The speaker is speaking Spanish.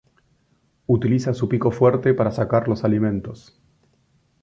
Utiliza su pico fuerte para sacar los alimentos.